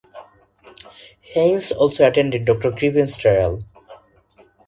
Haynes also attended Dr Crippen’s trial.